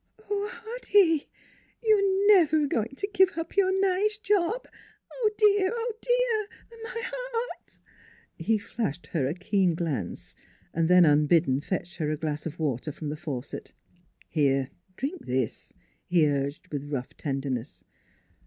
" Oh, Hoddy, you're never going to give up your nice job? Oh, dear! Oh, dearl My heart " He flashed her a keen glance: then unbidden fetched her a glass of water from the faucet. " Here, drink this," he urged with rough ten derness.